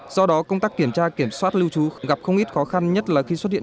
do đó công tác kiểm tra kiểm soát lưu trú gặp không ít khó khăn nhất là khi xuất hiện